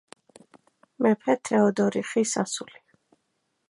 მეფე თეოდორიხის ასული.